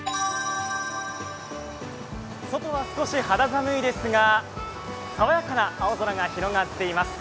外は少し肌寒いですが、爽やかな青空が広がっています。